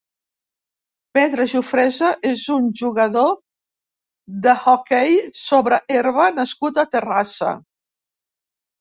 Pedro Jufresa és un jugador d'hoquei sobre herba nascut a Terrassa.